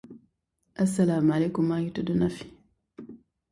It was formerly known as Shiprock Northwest Alternative High School.